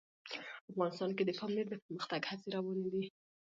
افغانستان کې د پامیر د پرمختګ هڅې روانې دي.